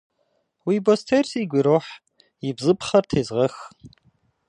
Уи бостейр сигу ирохь, и бзыпхъэр тезгъэх.